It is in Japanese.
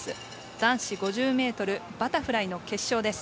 男子５０ｍバタフライの決勝です。